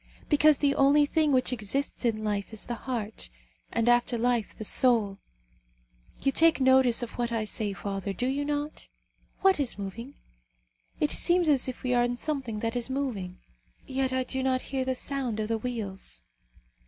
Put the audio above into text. Because the only thing which exists in life is the heart; and after life, the soul. You take notice of what I say, father, do you not? What is moving? It seems as if we are in something that is moving, yet I do not hear the sound of the wheels."